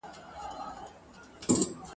له حاصله یې د سونډو تار جوړیږي !.